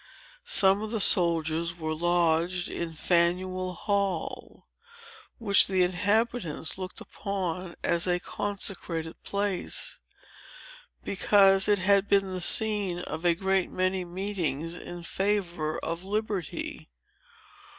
Some of the soldiers were lodged in Faneuil Hall, which the inhabitants looked upon as a consecrated place, because it had been the scene of a great many meetings in favor of liberty.